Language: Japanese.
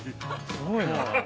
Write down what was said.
すごいな。